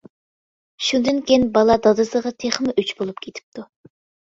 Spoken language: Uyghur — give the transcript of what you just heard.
شۇندىن كېيىن بالا دادىسىغا تېخىمۇ ئۆچ بولۇپ كېتىپتۇ.